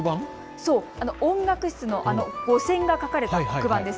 そう、あの音楽室の五線が書かれた黒板です。